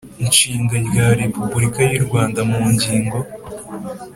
Nshinga rya repubulika y u Rwanda mu ngingo